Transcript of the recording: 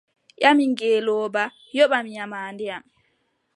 Ƴami ngeelooba: yoɓan nyamaande am.